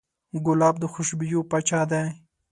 ګلاب د خوشبویو پاچا دی.